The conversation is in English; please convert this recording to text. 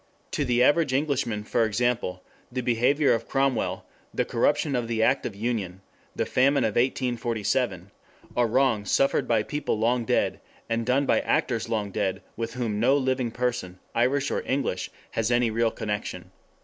To the average Englishman, for example, the behavior of Cromwell, the corruption of the Act of Union, the Famine of 1847 are wrongs suffered by people long dead and done by actors long dead with whom no living person, Irish or English, has any real connection.